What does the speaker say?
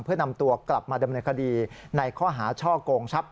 เพื่อนำตัวกลับมาดำเนินคดีในข้อหาช่อกงทรัพย